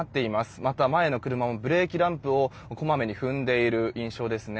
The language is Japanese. また、前の車もブレーキランプをこまめに踏んでいる印象です。